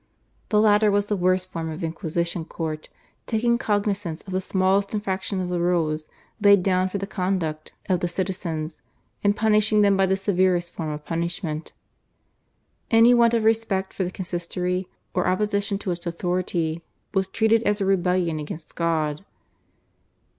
The latter was the worst form of inquisition court, taking cognisance of the smallest infractions of the rules laid down for the conduct of the citizens, and punishing them by the severest form of punishment. Any want of respect for the Consistory or opposition to its authority was treated as a rebellion against God.